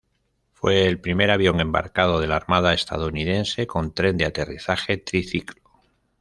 Fue el primer avión embarcado de la Armada estadounidense con tren de aterrizaje triciclo.